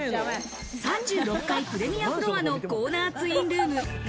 ３６階、プレミアフロアのコーナーツインルーム。